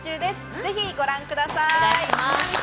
ぜひご覧ください。